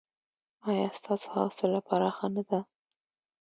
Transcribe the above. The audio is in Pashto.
ایا ستاسو حوصله پراخه نه ده؟